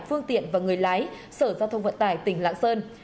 phương tiện và người lái sở giao thông vận tải tỉnh lạng sơn